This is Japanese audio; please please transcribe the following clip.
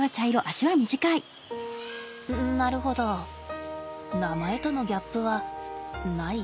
なるほど名前とのギャップはない？